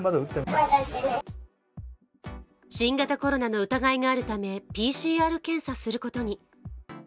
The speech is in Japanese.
新型コロナの疑いがあるため、ＰＣＲ検査することに。